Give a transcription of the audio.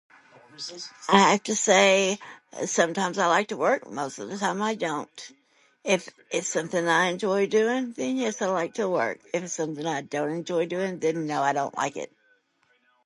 I have to say some times l like to work, most of the time l don't. If it's something that l enjoy doing then yes l like to work if it is something that l don't enjoy doing then no l don't like it